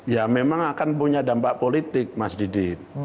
ya memang akan punya dampak politik mas didit